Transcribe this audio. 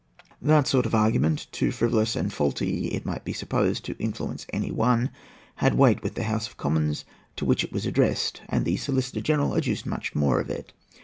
That sort of argument, too frivolous and faulty, it might be supposed, to influence any one, had weight with the House of Commons to which it was addressed; and the Solicitor General adduced much more of it.